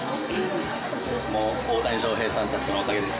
もう大谷翔平さんたちのおかげです。